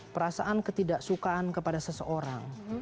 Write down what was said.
perasaan ketidaksukaan kepada seseorang